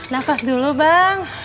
nafas dulu bang